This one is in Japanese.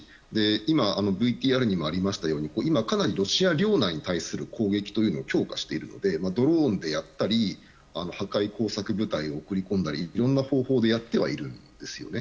今、ＶＴＲにもありましたように今、かなりロシア領内に対する攻撃を強化しているのでドローンでやったり破壊工作部隊を送り込んだりいろんな方法でやってはいるんですよね。